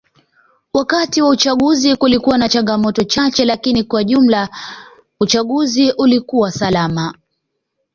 Wakati wa uchaguzi kulikuwa na changamoto chache lakini kwa jumla uchaguzi ulikuwa salama